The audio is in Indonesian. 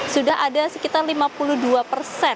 sudah ada sekitar lima puluh dua persen